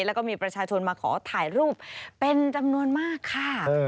แล้วก็มีประชาชนมาขอถ่ายรูปเป็นจำนวนมากค่ะ